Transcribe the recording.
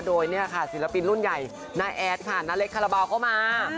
โดยศิลปินรุ่นใหญ่นายแอดค่ะนาเล็กคาราบาวเข้ามา